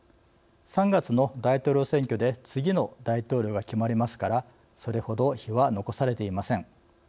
３月の大統領選挙で次の大統領が決まりますからそれほど日は残されていません。